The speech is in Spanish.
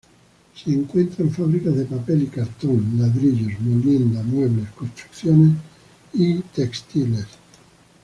Se encuentran fábricas de papel y cartón, ladrillos, molienda, muebles, construcciones y textiles.